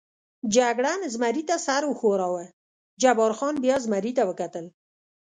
جګړن زمري ته سر و ښوراوه، جبار خان بیا زمري ته وکتل.